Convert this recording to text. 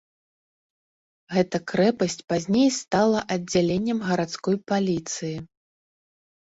Гэта крэпасць пазней стала аддзяленнем гарадской паліцыі.